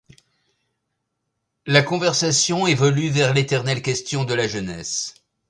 La conversation évolue vers l'éternelle question de la jeunesse...